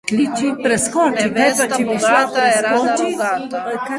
Nevesta bogata, je rada rogata.